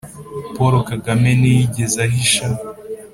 paul kagame ntiyigeze ahisha.